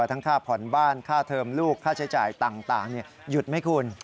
ทั้งค่าผ่อนบ้านค่าเทิมลูกค่าใช้จ่ายต่างหยุดไหมคุณ